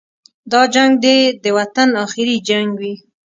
دا جنګ دې د وطن اخري جنګ وي.